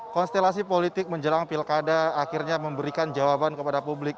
konstelasi politik menjelang pilkada akhirnya memberikan jawaban kepada publik